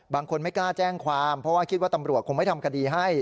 ไม่กล้าแจ้งความเพราะว่าคิดว่าตำรวจคงไม่ทำคดีให้